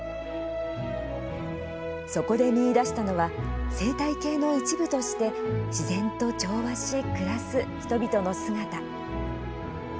そこで見出したのは生態系の一部として自然と調和し暮らす人々の姿。